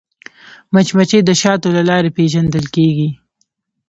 مچمچۍ د شاتو له لارې پیژندل کېږي